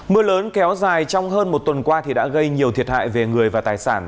mưa lớn kéo dài trong hơn một tuần qua đã gây nhiều thiệt hại về người và tài sản